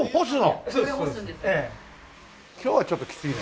今日はちょっときついね。